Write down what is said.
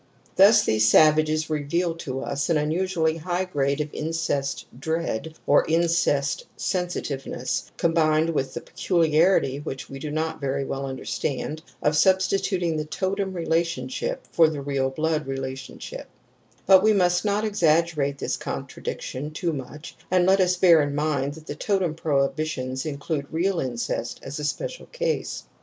^ Thus these savages reveal to us an unusually high grade of incest dread or incest sensitiveness, combined with the peculiarity, which we do not very well understand, of substituting the totem . relationship for the real blood relationship. P But we must not exaggerate this contradiction too much, and let us bear in mind that the totem prohibitions include real incest as a special case.